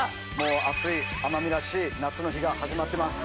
暑い奄美らしい夏の日が始まってます。